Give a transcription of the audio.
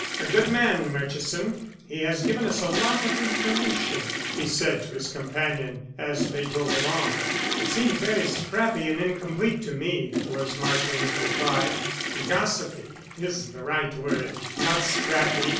"A good man, Murchison; he has given us a lot of information," he said to his companion as they drove along. "It seemed very scrappy and incomplete to me," was Marsland's reply. "Gossipy is the right word not scrappy.